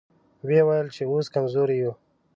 ويې ويل چې اوس کمزوري يو.